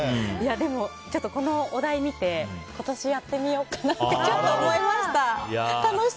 でも、このお題見て今年、やってみようかなってちょっと思いました。